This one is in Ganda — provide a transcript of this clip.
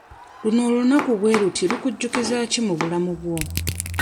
Luno olunaku bwe luti lukujjukiza ki mu bulamu bwo?